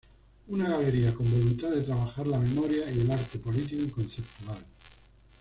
Una galería con voluntad de trabajar la memoria y el arte político y conceptual.